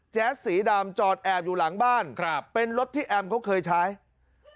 แจ๊สสีดำจอดแอบอยู่หลังบ้านเป็นรถที่แอมเค้าเคยใช้ครับ